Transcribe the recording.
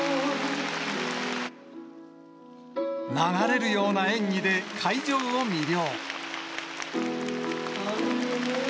流れるような演技で、会場を魅了。